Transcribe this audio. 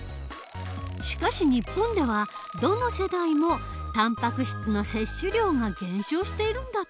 しかし日本ではどの世代もたんぱく質の摂取量が減少しているんだって。